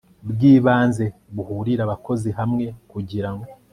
bw ibanze buhuriza abakozi hamwe kugira